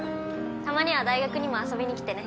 たまには大学にも遊びに来てね。